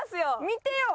見てよ！